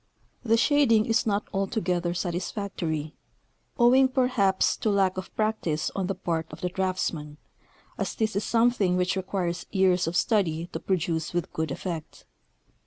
The shading is not altogether satis factory, owing, perhaps, to lack of practice on the part of the draughtsman, as this is something which requires years of study to produce with good effect.